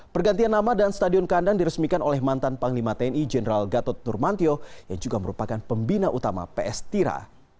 pergantian nama dan stadion kandang diresmikan oleh mantan panglima tni jenderal gatot nurmantio yang juga merupakan pembina utama ps tira